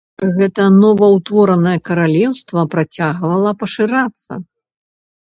Гэта новаўтворанае каралеўства працягвала пашырацца.